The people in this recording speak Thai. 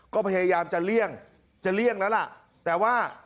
ก็พยายามจะเลี่ยงจะเลี่ยงแล้วล่ะแต่ว่า